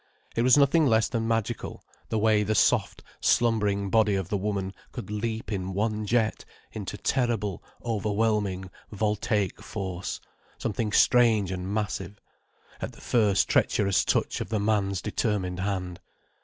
It was nothing less than magical the way the soft, slumbering body of the woman could leap in one jet into terrible, overwhelming voltaic force, something strange and massive, at the first treacherous touch of the man's determined hand.